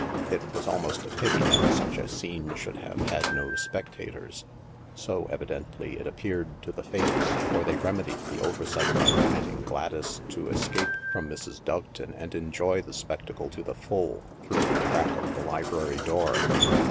It was almost a pity that such a scene should have had no spectators. So, evidently, it appeared to the Fates, for they remedied the oversight by permitting Gladys to escape from Mrs. Doveton and enjoy the spectacle to the full through the crack of the library door.